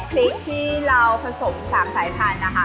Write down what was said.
พริกที่เราผสม๓สายพันธุ์นะคะ